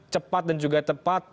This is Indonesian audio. cepat dan juga tepat